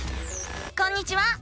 こんにちは！